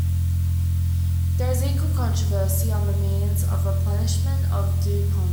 There is equal controversy on the means of replenishment of dew ponds.